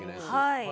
はい。